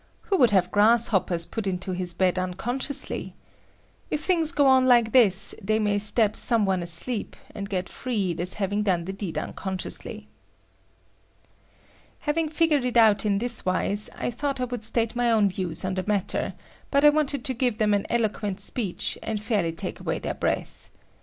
Who would have grasshoppers put into his bed unconsciously! If things go on like this, they may stab some one asleep, and get freed as having done the deed unconsciously. Having figured it out in this wise, I thought I would state my own views on the matter, but I wanted to give them an eloquent speech and fairly take away their breath.